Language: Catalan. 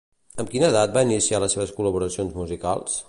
Amb quina edat va iniciar les seves col·laboracions musicals?